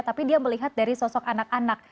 tapi dia melihat dari sosok anak anak